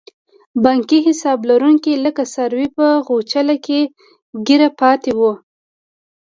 بانکي حساب لرونکي لکه څاروي په غوچله کې ګیر پاتې وو.